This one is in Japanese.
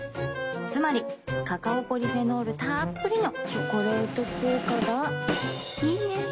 つまりカカオポリフェノールたっぷりの「チョコレート効果」がいいね。